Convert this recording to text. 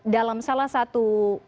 dalam salah satu